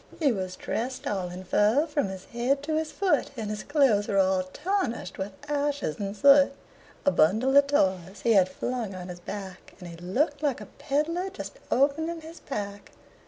He was dressed all in fur from his head to his foot, And his clothes were all tarnished with ashes and soot; A bundle of toys he had flung on his back, And he looked like a pedler just opening his pack.